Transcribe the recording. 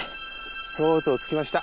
とうとう着きました。